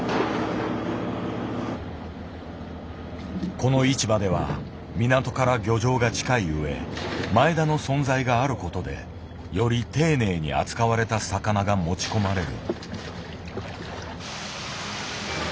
この市場では港から漁場が近い上前田の存在があることでより丁寧に扱われた魚が持ち込まれる。